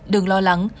đừng lo lắng